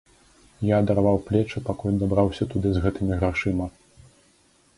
Я адарваў плечы, пакуль дабраўся туды з гэтымі грашыма.